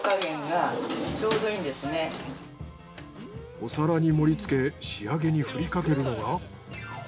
お皿に盛り付け仕上げにふりかけるのが。